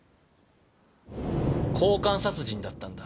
交換殺人だったんだ。